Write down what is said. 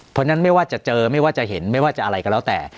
เพราะฉะนั้นไม่ว่าจะเจอไม่ว่าจะเห็นไม่ว่าจะอะไรก็แล้วแต่